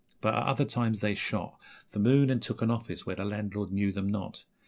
But at other times they shot The moon, and took an office where the landlord knew them not.